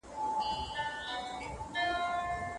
خو د هري یوې بېل جواب لرمه